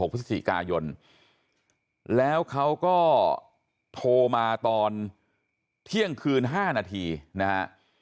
พฤศจิกายนแล้วเขาก็โทรมาตอนเที่ยงคืน๕นาทีนะฮะ